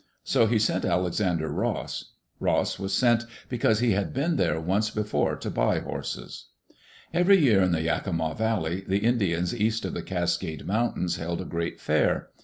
So he sent Alex ander Ross. Ross was sent because he had been there once before to buy horses. Every year in the Yakima Valley the Indians east of the Cascade Mountains held a great fair.